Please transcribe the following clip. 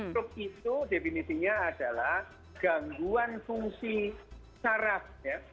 struk itu definisinya adalah gangguan fungsi saraf ya